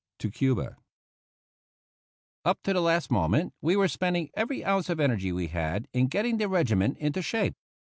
TO CUBA UP to the last moment we were spending every ounce of energy we had in getting the regiment into shape.